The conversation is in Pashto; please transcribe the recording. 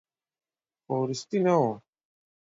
خو وروستۍ نه وه.